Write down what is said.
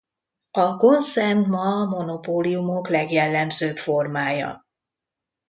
A konszern ma a monopóliumok legjellemzőbb formája.